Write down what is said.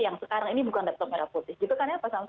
yang sekarang ini bukan laptop merah putih